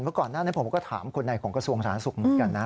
เมื่อก่อนหน้านี้ผมก็ถามคุณหน่ายของกระทรวงสาธารณสุขมันกันนะ